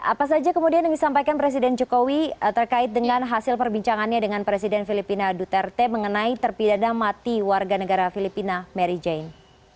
apa saja kemudian yang disampaikan presiden jokowi terkait dengan hasil perbincangannya dengan presiden filipina duterte mengenai terpidana mati warga negara filipina mary jane